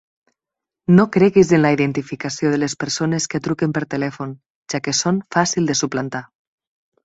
No creguis en la identificació de les persones que truquen per telèfon, ja que són fàcil de suplantar.